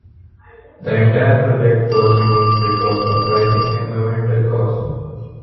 The entire project was removed because of rising environmental costs.